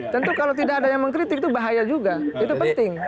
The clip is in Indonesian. tentu kalau tidak ada yang mengkritik itu bahaya juga itu penting